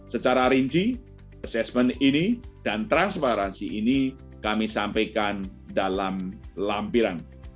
secara rinci assessment ini dan transparansi ini kami sampaikan dalam lampiran